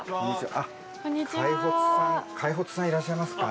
開發さんいらっしゃいますか？